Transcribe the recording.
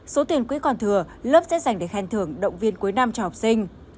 số tiền quý còn thừa lớp sẽ dành để khen thưởng động viên cuối năm cho học sinh